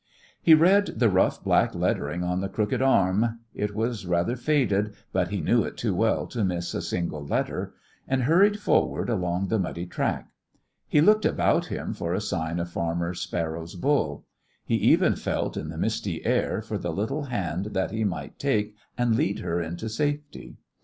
He read the rough black lettering on the crooked arm it was rather faded, but he knew it too well to miss a single letter and hurried forward along the muddy track; he looked about him for a sign of Farmer Sparrow's bull; he even felt in the misty air for the little hand that he might take and lead her into safety.